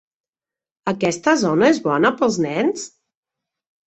Aquesta zona és bona pels nens?